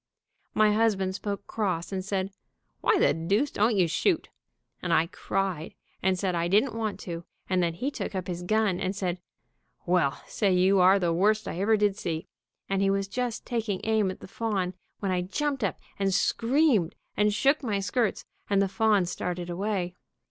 My husband spoke cross, and said, 'Why the deuce don't you shoot?' and I cried and said I didn't want to, and then he took up his gun and said, 'Well, say, you are the worst I ever did see,' and he was just taking aim at the fawn when I jumped up and screamed, and shook my skirts, and the fawn started away.